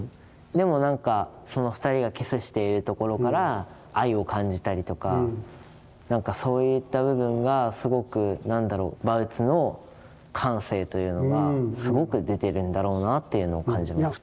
でもなんかその２人がキスしているところから愛を感じたりとかなんかそういった部分がすごくバウツの感性というのはすごく出てるんだろうなっていうのを感じました。